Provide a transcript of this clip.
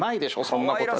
そんなことは。